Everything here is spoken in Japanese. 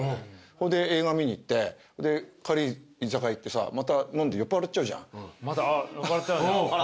ほんで映画見に行って帰り居酒屋行ってさまた飲んで酔っぱらっちゃうじゃん。